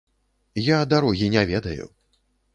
Я дарогі не ведаю.